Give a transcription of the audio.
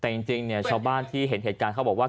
แต่จริงเนี่ยชาวบ้านที่เห็นเหตุการณ์เขาบอกว่า